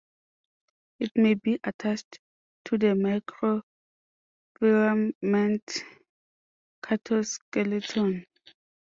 It may be attached to the microfilament cytoskeleton.